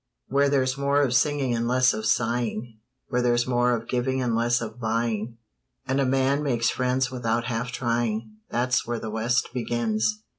Where there's more of singing and less of sighing; Where there's more of giving and less of buying, And a man makes friends without half trying That's where the West begins.